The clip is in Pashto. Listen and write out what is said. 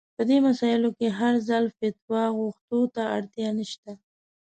په دې مسايلو کې هر ځل فتوا غوښتو ته اړتيا نشته.